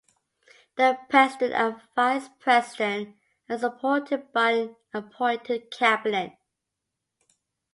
The president and vice president are supported by an appointed cabinet.